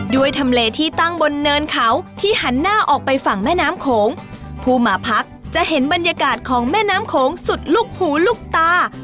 ทำเลที่ตั้งบนเนินเขาที่หันหน้าออกไปฝั่งแม่น้ำโขงผู้มาพักจะเห็นบรรยากาศของแม่น้ำโขงสุดลูกหูลูกตา